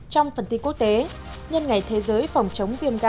trong phần tin quốc tế nhân ngày thế giới phòng chống viên ma túy